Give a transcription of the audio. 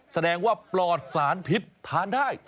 แสดงว่าปลอดสารพิษทานได้